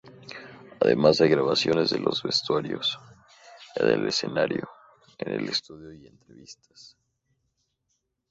Además hay grabaciones de los vestuarios, en el escenario, en el estudio y entrevistas.